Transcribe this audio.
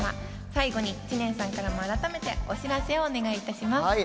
最後に知念さんから改めてお知らせをお願いいたします。